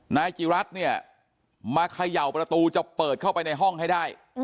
นายจิรัตน์เนี่ยมาเขย่าประตูจะเปิดเข้าไปในห้องให้ได้